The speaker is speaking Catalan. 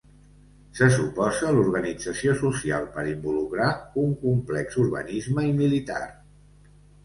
Se suposa l'organització social per involucrar un complex urbanisme i militar.